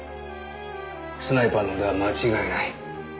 スナイパーの腕は間違いない。